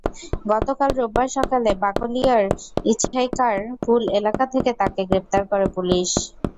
গতকাল রোববার সকালে বাকলিয়ার ইছাইক্যার পুল এলাকা থেকে তাঁকে গ্রেপ্তার করে পুলিশ।